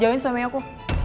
jauhin suami aku